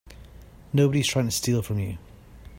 Nobody's trying to steal from you.